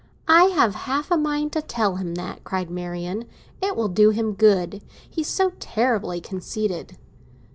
"I have half a mind to tell him that!" cried Marian. "It will do him good. He's so terribly conceited."